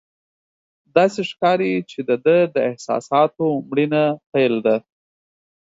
داسې ښکاري چې د ده د احساساتو مړینه پیل ده.